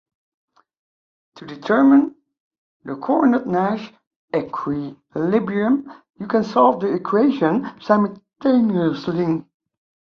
To determine the Cournot-Nash equilibrium you can solve the equations simultaneously.